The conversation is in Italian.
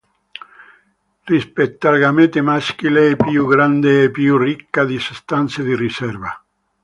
Rispetto al gamete maschile, è più grande e più ricca di sostanze di riserva.